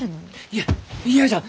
いや嫌じゃ！